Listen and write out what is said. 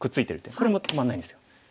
これも止まんないんですよ。